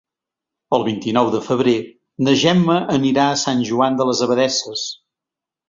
El vint-i-nou de febrer na Gemma anirà a Sant Joan de les Abadesses.